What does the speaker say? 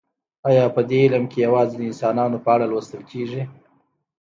ایا په دې علم کې یوازې د انسانانو په اړه لوستل کیږي